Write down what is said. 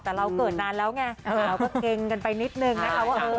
แต่เราเกิดนานแล้วไงเราก็เกรงกันไปนิดนึงนะคะว่า